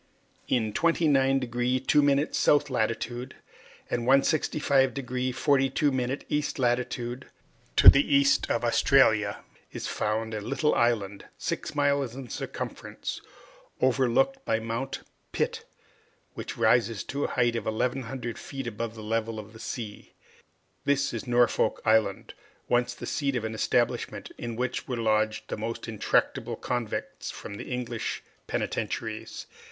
In 29deg 2' south latitude, and 165deg 42' east longitude, to the east of Australia, is found a little island, six miles in circumference, overlooked by Mount Pitt, which rises to a height of 1,100 feet above the level of the sea. This is Norfolk Island, once the seat of an establishment in which were lodged the most intractable convicts from the English penitentiaries.